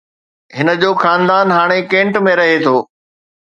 هن جو خاندان هاڻي ڪينٽ ۾ رهي ٿو